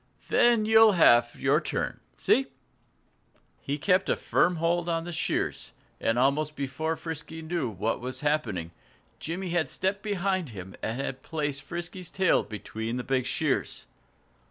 Then you'll have your turn see?" He kept a firm hold on the shears. And almost before Frisky knew what was happening Jimmy had stepped behind him and had placed Frisky's tail between the big shears.